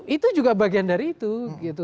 itu juga bagian dari itu gitu